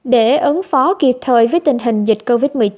để ứng phó kịp thời với tình hình dịch covid một mươi chín